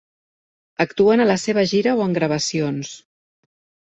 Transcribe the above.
Actuen a la seva gira o en gravacions.